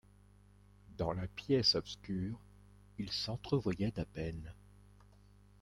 Dans la pièce obscure, ils s'entrevoyaient à peine.